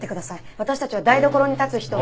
私たちは台所に立つ人を。